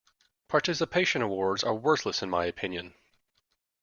Participation awards are worthless in my opinion.